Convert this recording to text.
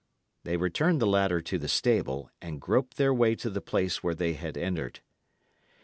They returned the ladder to the stable, and groped their way to the place where they had entered.